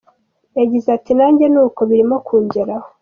Yagize ati ”Nanjye ni uko birimo kungeraho.